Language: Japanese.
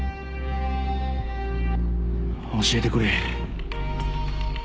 教えてくれ。